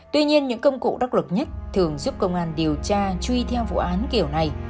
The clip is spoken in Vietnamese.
tuy nhiên những công cụ đắc lực nhất thường giúp công an điều tra truy theo vụ án kiểu này